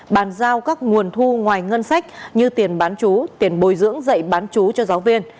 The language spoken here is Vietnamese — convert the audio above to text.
bàn giao các nguồn thu ngoài ngân sách như tiền bán chú tiền bồi dưỡng dạy bán chú cho giáo viên